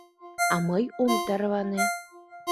А мый ом тарване.